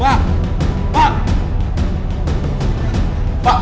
pak pak pak